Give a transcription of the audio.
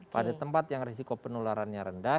pada tempat yang risiko penularannya rendah